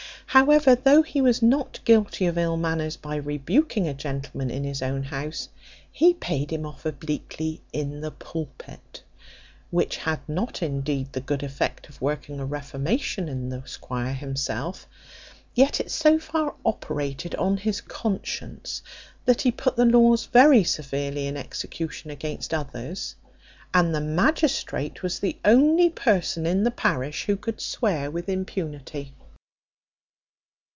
However, though he was not guilty of ill manners by rebuking a gentleman in his own house, he paid him off obliquely in the pulpit: which had not, indeed, the good effect of working a reformation in the squire himself; yet it so far operated on his conscience, that he put the laws very severely in execution against others, and the magistrate was the only person in the parish who could swear with impunity.